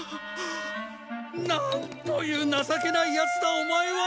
なんという情けないヤツだオマエは！